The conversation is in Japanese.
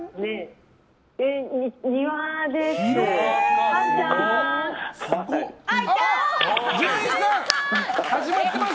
庭です。